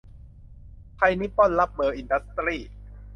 ไทยนิปปอนรับเบอร์อินดัสตรี้